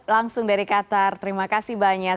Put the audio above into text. langsung dari qatar terima kasih banyak